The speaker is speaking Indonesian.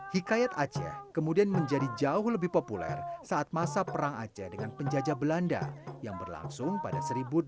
hikayat aceh kemudian menjadi jauh lebih populer saat masa perang aceh dengan penjajah belanda yang berlangsung pada seribu delapan ratus